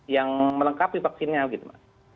yang melengkapi vaksinnya gitu mbak